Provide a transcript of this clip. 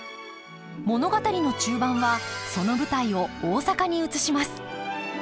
物語の中盤はその舞台を大阪に移します。